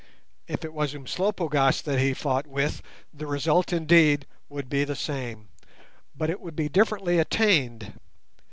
If it was Umslopogaas that he fought with the result indeed would be the same, but it would be differently attained.